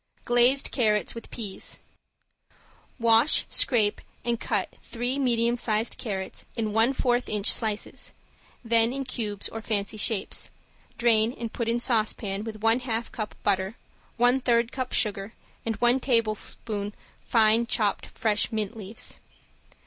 ~GLAZED CARROTS WITH PEAS~ Wash, scrape and cut three medium sized carrots in one fourth inch slices, then, in cubes or fancy shapes, drain and put in saucepan with one half cup butter, one third cup sugar, and one tablespoon fine chopped fresh mint leaves.